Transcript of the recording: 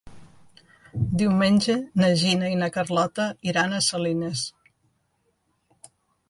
Diumenge na Gina i na Carlota iran a Salines.